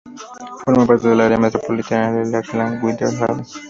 Forma parte del área metropolitana de Lakeland–Winter Haven.